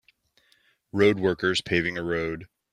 Road workers paving a road.